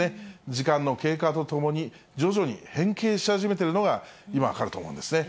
時間の経過とともに徐々に変形し始めているのが、分かると思うんですね。